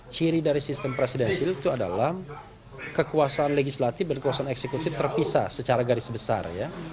ciri dari sistem presidensil itu adalah kekuasaan legislatif dan kekuasaan eksekutif terpisah secara garis besar